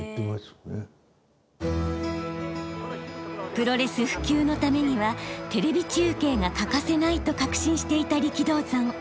プロレス普及のためにはテレビ中継が欠かせないと確信していた力道山。